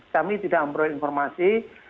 kami tidak memperoleh informasi